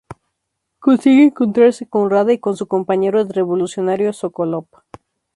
Consigue encontrarse con Rada y con su compañero revolucionario Sokolov.